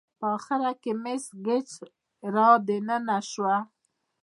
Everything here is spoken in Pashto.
په اخره کې مس ګېج را دننه شوه.